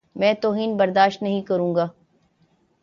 میں توہین برداشت نہیں کروں گا۔